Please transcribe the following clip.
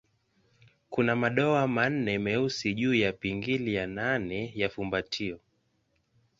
Kuna madoa manne meusi juu ya pingili ya nane ya fumbatio.